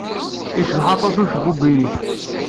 Yecbeḥ aṭas ucebbub-nnek.